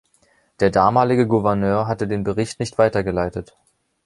Der damalige Gouverneur hatte den Bericht nicht weitergeleitet.